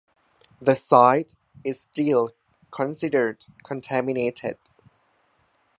The site is still considered contaminated.